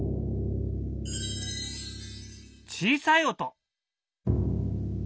小さい音。